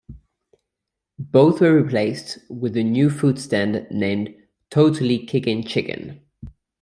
Both were replaced with a new food stand named Totally Kickin' Chicken.